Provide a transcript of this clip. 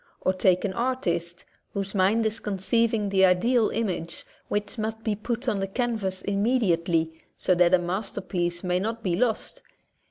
Or take an artist whose mind is conceiving the ideal image which must be put on the canvas immediately so that a masterpiece may not be lost.